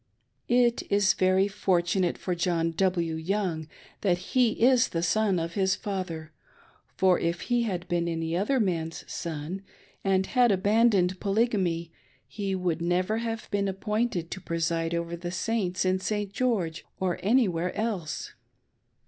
It is very fortunate for John W. Young that he is the son of his father ; for if he had been any other man's son, and had abandoned Polygamy, he would never have been appointed 6l4 BRIGHAM THE PRINCE OF APOSTATES ! to preside over the Saints in St. jGeorge, or anywhere else.